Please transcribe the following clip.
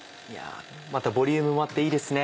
またボリュームもあっていいですね。